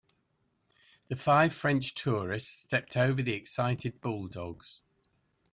The five French tourists stepped over the excited bulldogs.